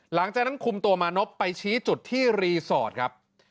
หลังจากนั้นคุมตัวมานพไปชี้จุดที่รีสอร์ทครับ